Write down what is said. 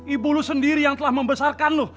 ibu lu sendiri yang telah membesarkan lo